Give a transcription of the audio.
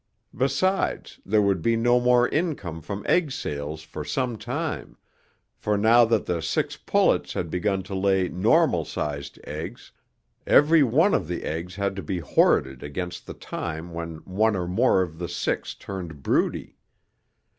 Besides, there would be no more income from egg sales for some time, for now that the six pullets had begun to lay normal sized eggs, every one of the eggs had to be hoarded against the time when one or more of the six turned broody.